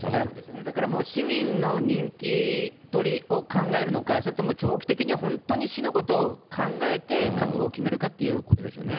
だからもう、市民の人気取りを考えるのか、それとも長期的には本当に市のことを考えて、覚悟を決めるかっていうことですよね。